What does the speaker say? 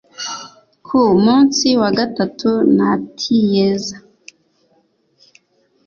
ku munsi wa gatatu natiyeza